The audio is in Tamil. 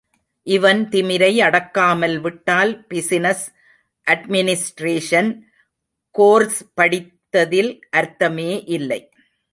இவன், திமிரை அடக்காமல் விட்டால், பிஸினஸ் அட்மினிஷ்ட்ரேஷன் கோர்ஸ் படித்ததில் அர்த்தமே இல்லை.